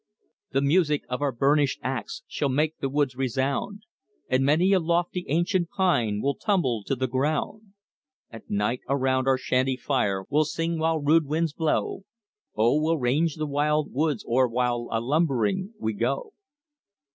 "The music of our burnished ax shall make the woods resound, And many a lofty ancient pine will tumble to the ground. At night around our shanty fire we'll sing while rude winds blow, OH! we'll range the wild woods o'er while a lumbering we go!"